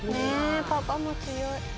パパも強い。